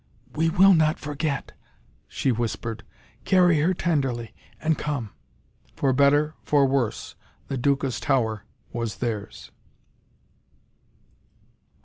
"We will not forget," she whispered. "Carry her tenderly, and come." For better, for worse, the Duca's tower was theirs.